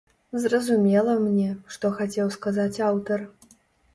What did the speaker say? Зразумела мне, што хацеў сказаць аўтар.